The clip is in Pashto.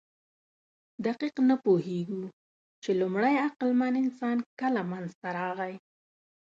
دقیق نه پوهېږو، چې لومړی عقلمن انسان کله منځ ته راغی.